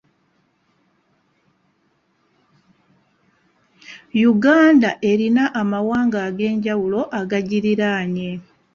Uganda erina amawanga ag'enjawulo agagiriraanye.